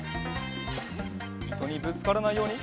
いとにぶつからないように。